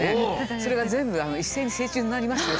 それが全部一斉に成虫になりましてですね。